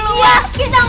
lihat aja sendiri dulu ya